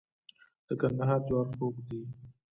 د کندهار جوار خوږ دي.